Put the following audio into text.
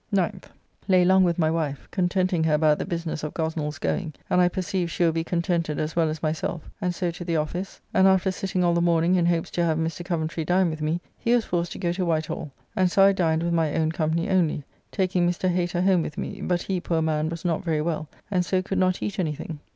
9th. Lay long with my wife, contenting her about the business of Gosnell's going, and I perceive she will be contented as well as myself, and so to the office, and after sitting all the morning in hopes to have Mr. Coventry dine with me, he was forced to go to White Hall, and so I dined with my own company only, taking Mr. Hater home with me, but he, poor man, was not very well, and so could not eat any thing.